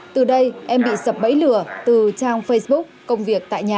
từ đây em bị sập bẫy lừa từ trang facebook công việc tại nhà